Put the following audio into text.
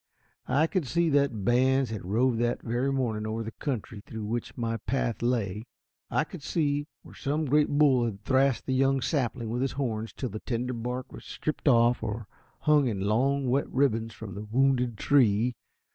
I could see that bands had roved that very morning over the country through which my path lay. I could see where some great bull had thrashed the young sapling with his horns till the tender bark was stripped off, or hung in long, wet ribbons from the wounded tree.